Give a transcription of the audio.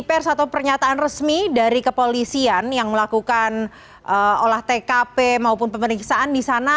terakhir satu pernyataan resmi dari kepolisian yang melakukan olah tkp maupun pemeriksaan di sana